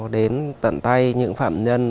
đến tận tay những phạm nhân